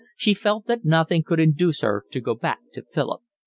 She felt that nothing could induce her to go back to Philip.